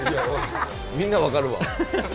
みんなわかるわ。